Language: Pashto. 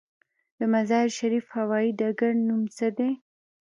د مزار شریف هوايي ډګر نوم څه دی؟